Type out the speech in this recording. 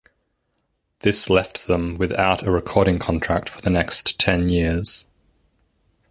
This left them without a recording contract for the next ten years.